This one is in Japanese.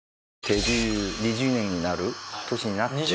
デビュー２０年になる年になって。